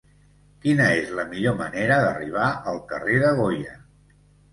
Quina és la millor manera d'arribar al carrer de Goya?